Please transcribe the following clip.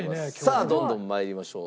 さあどんどん参りましょう。